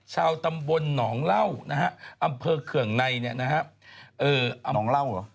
ชาวตำบลหนองเหล้าอำเภอเคืองในนะครับ